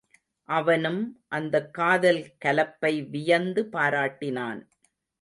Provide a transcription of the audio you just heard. அவனும் அந்தக் காதல் கலப்பை வியந்து பாராட்டினான்.